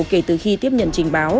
kể từ khi tiếp nhận trình báo